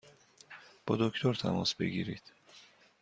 با دکتر تماس بگیرید!